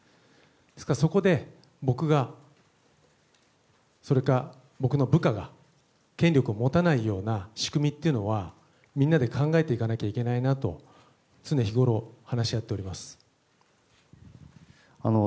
ですからそこで、僕が、それか僕の部下が権力を持たないような仕組みっていうのは、みんなで考えていかなきゃいけないなと、常日頃話し合っております。